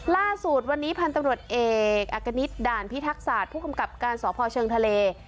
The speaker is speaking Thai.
ล่าสุดวันนี้พันธุ์ตำรวจเอกอักกณิตด่านพิทักษาตผู้กำกับการสพเชิงทะเล